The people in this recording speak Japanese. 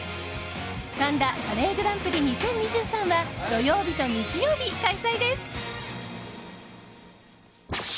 「神田カレーグランプリ２０２３」は土曜日と日曜日、開催です。